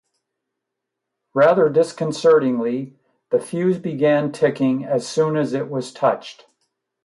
Rather disconcertingly, the fuse began ticking as soon as it was touched.